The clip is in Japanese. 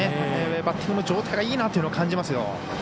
バッティングの状態がいいなと感じますよ。